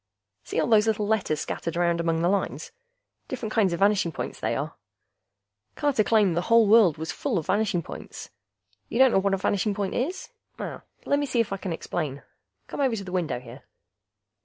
See all those little letters scattered around among the lines? Different kinds of vanishing points, they are. Carter claimed the whole world was full of vanishing points. You don't know what a vanishing point is? Lemme see if I can explain. Come over to the window here.